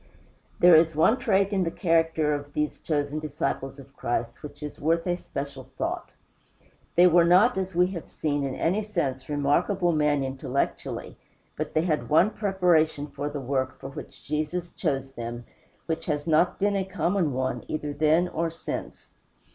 There is one trait in the character of these chosen disciples of Christ which is worth a special thought. They were not, as we have seen, in any sense remarkable men intellectually, but they had one preparation for the work for which Jesus chose them which has not been a common one, either then or since.